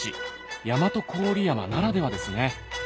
大和郡山ならではですね